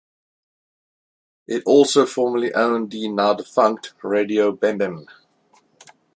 It also formerly owned the now defunct Radio BemBem.